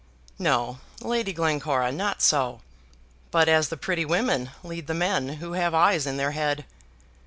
"No, Lady Glencora, not so. But as the pretty women lead the men who have eyes in their head.